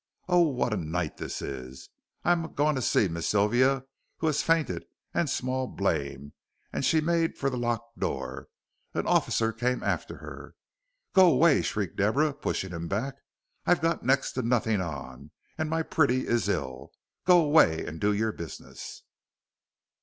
Oh, what a night this is! I'm a goin' to see Miss Sylvia, who has fainted, and small blame," and she made for the locked door. An officer came after her. "Go away," shrieked Deborah, pushing him back. "I've got next to nothink on, and my pretty is ill. Go away and do your business."